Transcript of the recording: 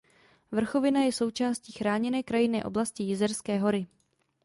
Vrchovina je součástí chráněné krajinné oblasti Jizerské hory.